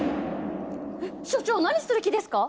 所長何する気ですか？